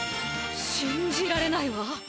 しんじられないわ。